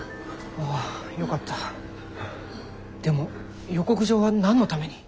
でも予告状は何のために。